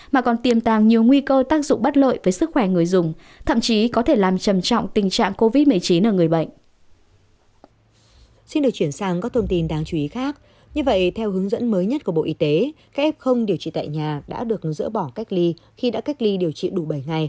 mà còn tiềm tàng nhiều nguy cơ tác dụng bất lợi với sức khỏe người dùng